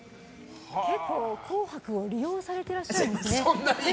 結構、「紅白」を利用されていらっしゃるんですね。